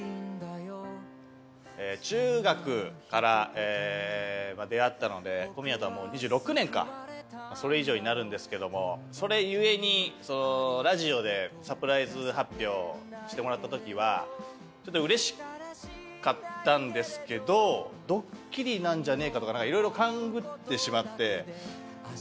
中学から出会ったので小宮とはもう２６年かそれ以上になるんですけどもそれ故にラジオでサプライズ発表してもらった時は嬉しかったんですけどドッキリなんじゃねえかとか色々勘繰ってしまって。